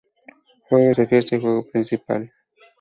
Juegos de fiesta, y juego principal.